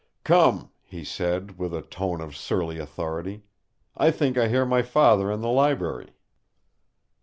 "Come," he said, with a tone of surly authority, "I think I hear my father in the library."